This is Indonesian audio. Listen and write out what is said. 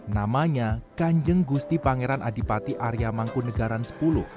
namanya kanjeng gusti pangeran adipati arya mangkunegaran sepuluh